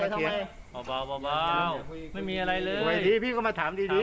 ก็ไม่มีก็จบพี่